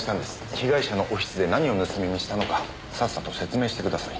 被害者のオフィスで何を盗み見したのかさっさと説明してください。